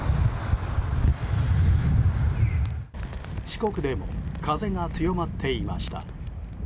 四国でも風が強まっていました。